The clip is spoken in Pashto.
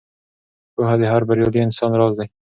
پوهه د هر بریالي انسان راز دی.